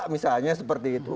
misalnya seperti itu